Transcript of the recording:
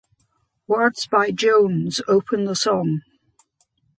Words by Jones open the song.